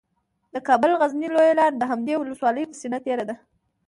د کابل غزني لویه لاره د همدې ولسوالۍ په سینه تیره ده